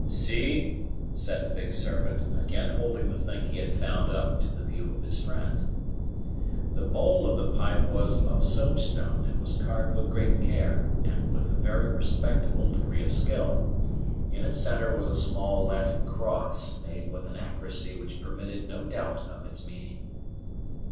"See," said the Big Serpent, again holding the thing he had found up to the view of his friend. The bowl of the pipe was of soap stone, and was carved with great care and with a very respectable degree of skill; in its centre was a small Latin cross, made with an accuracy which permitted no doubt of its meaning.